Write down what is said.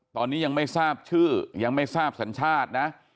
ตอนนี้ยังไม่ทราบชื่อยังไม่ทราบสัญชาตินะ